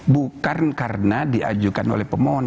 bukan karena diajukan oleh pemohon